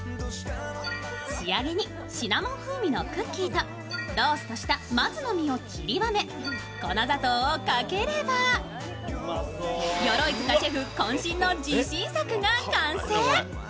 仕上げにシナモン風味のクッキーとローストした松の実をちりばめ、粉砂糖をかければ、鎧塚シェフこん身の自信作が完成。